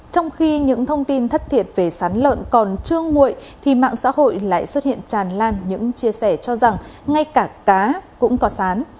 trong khi những thông tin thất thiệt về sán lợn còn chưa nguội thì mạng xã hội lại xuất hiện tràn lan những chia sẻ cho rằng ngay cả cá cũng có sán